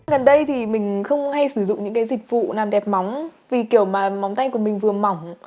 gần đây thì mình không hay sử dụng những cái dịch vụ làm đẹp móng vì kiểu mà món tay của mình vừa mỏng